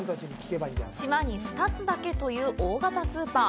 島に２つだけという大型スーパー。